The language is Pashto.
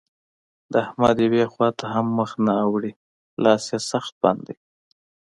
د احمد يوې خوا ته هم مخ نه اوړي؛ لاس يې سخت بند دی.